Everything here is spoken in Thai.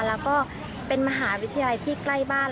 แล้วก็เป็นมหาวิทยาลัยที่ใกล้บ้าน